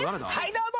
どうも。